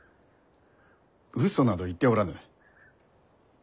嘘など言っておらぬ。